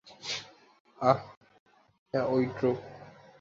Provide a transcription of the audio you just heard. আহ, হ্যাঁ, ও ড্রুইগ।